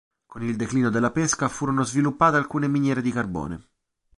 Con il declino della pesca furono sviluppate alcune miniere di carbone.